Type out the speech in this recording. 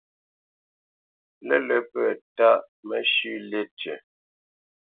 Lə̂lə̄ pə̂ tâʼ məshʉ̂ lí tʉ̂.